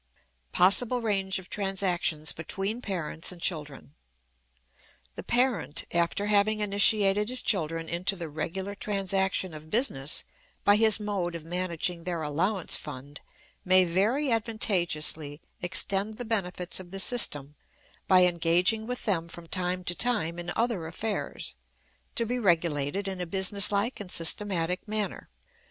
Possible Range of Transactions between Parents and Children. The parent, after having initiated his children into the regular transaction of business by his mode of managing their allowance fund, may very advantageously extend the benefits of the system by engaging with them from time to time in other affairs, to be regulated in a business like and systematic manner.